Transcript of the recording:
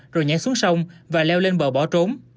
rồi nhảy xuống sông và leo lên bờ bỏ trốn